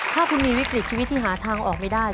ถ้าคุณมีวิกฤตชีวิตที่หาทางออกไม่ได้